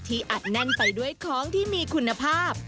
อัดแน่นไปด้วยของที่มีคุณภาพ